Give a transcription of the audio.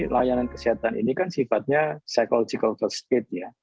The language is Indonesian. layanan kesehatan ini kan sifatnya psychological first aid